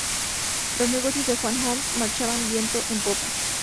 Los negocios de Juan Homs marchaban viento en popa.